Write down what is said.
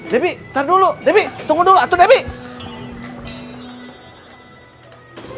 debbie ntar dulu debbie tunggu dulu atu debbie